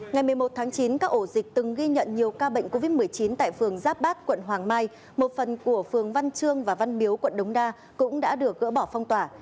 ngày một mươi một tháng chín các ổ dịch từng ghi nhận nhiều ca bệnh covid một mươi chín tại phường giáp bát quận hoàng mai một phần của phường văn trương và văn miếu quận đống đa cũng đã được gỡ bỏ phong tỏa